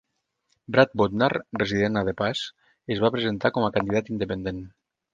Brad Bodnar, resident a The Pas, es va presentar com a candidat independent.